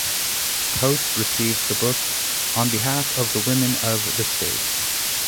Post received the book on behalf of the women of the State.